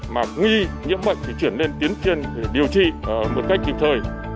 mà nguy nhiễm bệnh chuyển lên tiến tiên để điều trị một cách kịp thời